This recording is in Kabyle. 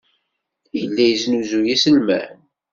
Yella yesnuzuy iselman.